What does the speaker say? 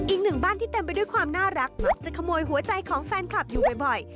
อีกหนึ่งบ้านที่เต็มไปด้วยความน่ารักมักจะขโมยหัวใจของแฟนคลับอยู่บ่อย